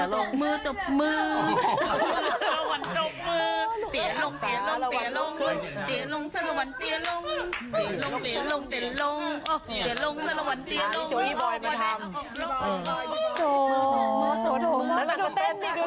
ทักษะระวัญตำตี้ลง